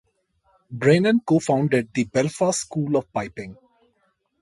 Brennan co-founded the Belfast School of Piping.